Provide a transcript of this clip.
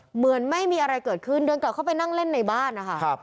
เหมือนไม่มีอะไรเกิดขึ้นเดินกลับเข้าไปนั่งเล่นในบ้านนะคะ